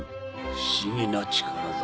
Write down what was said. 不思議な力だ。